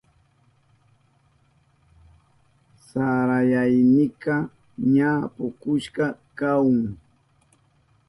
Saraynika ña pukushka kahun.